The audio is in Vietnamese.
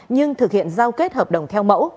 nhưng thực hiện giao kết hợp đồng theo mẫu